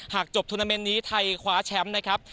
หากจบทวนาเมนต์นี้ไทยคว้าแชมป์นะครับ